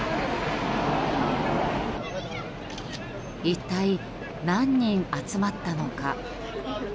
一体何人集まったのか。